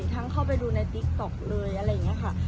เข้าไปดูในติ๊กต๊อกเลยอะไรอย่างนี้ค่ะ